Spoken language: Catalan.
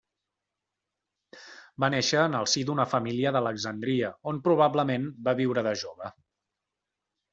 Va néixer en el si d'una família d'Alexandria on probablement va viure de jove.